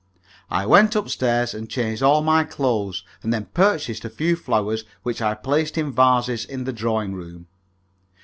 I went up stairs and changed all my clothes, and then purchased a few flowers, which I placed in vases in the drawing room.